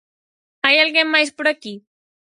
Hai alguén máis por aquí?